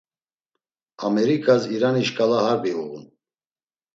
Ameriǩas İrani şkala harbi uğun.